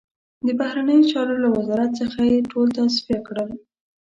د بهرنیو چارو له وزارت څخه یې ټول تصفیه کړل.